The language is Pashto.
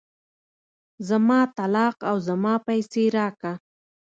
زما طلاق او زما پيسې راکه.